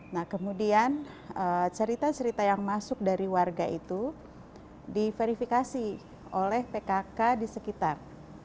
nah kemudian cerita cerita yang masuk dari warga itu diverifikasi oleh pkk di sekitar